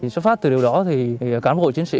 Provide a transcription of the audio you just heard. xuất phát từ điều đó cán bộ chiến sĩ